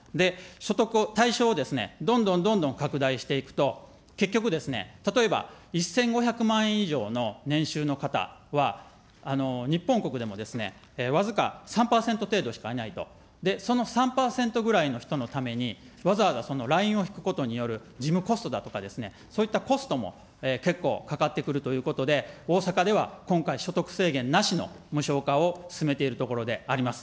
所得対象をどんどんどんどん拡大していくと、結局、例えば、１５００万円以上の年収の方は、日本国でも僅か３％程度しかいないと、その３％ぐらいの人のために、わざわざラインを引くことによる事務コストだとかですね、そういったコストも結構かかってくるということで、大阪では今回、所得制限なしの無償化を進めているところであります。